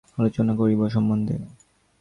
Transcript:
এ সম্বন্ধে আমরা এখন আর বিশেষ আলোচনা করিব না।